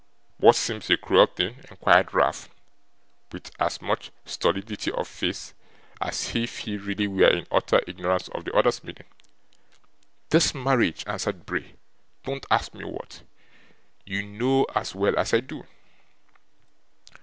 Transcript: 'What seems a cruel thing?' inquired Ralph, with as much stolidity of face, as if he really were in utter ignorance of the other's meaning. 'This marriage,' answered Bray. 'Don't ask me what. You know as well as I do.